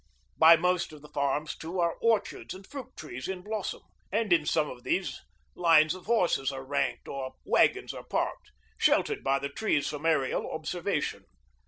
By most of the farms, too, are orchards and fruit trees in blossom; and in some of these lines of horses are ranked or wagons are parked, sheltered by the trees from aerial observation.